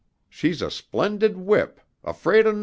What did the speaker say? She's a splendid whip, afraid of nothin'."